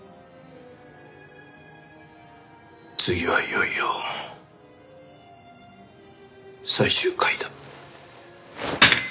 次はいよいよ最終回だ。